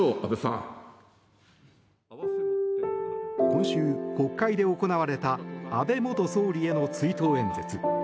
今週、国会で行われた安倍元総理への追悼演説。